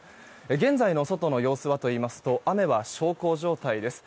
現在の外の様子はといいますと雨は小康状態です。